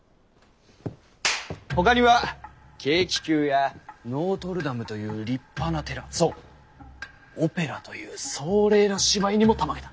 ほかには軽気球やノオトルダムという立派な寺そうオペラという壮麗な芝居にもたまげた。